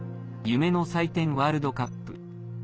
夢の祭典ワールドカップ。